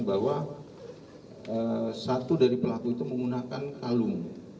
bahwa satu dari pelaku itu menggunakan kalung